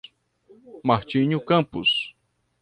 Martinho Campos